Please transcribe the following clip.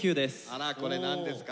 あらこれ何ですか？